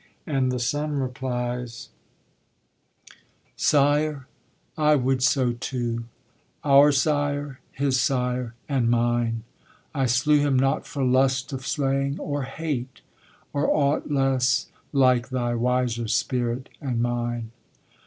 And the son replies: Sire, I would so too. Our sire, his sire and mine, I slew him not for lust of slaying, or hate, Or aught less like thy wiser spirit and mine.